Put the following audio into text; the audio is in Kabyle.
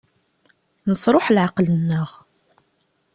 Nesṛuḥ leɛqel-nneɣ.